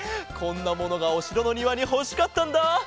こんなものがおしろのにわにほしかったんだ。